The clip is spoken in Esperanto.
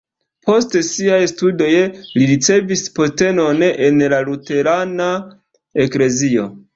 Post siaj studoj li ricevis postenon en la luterana eklezio.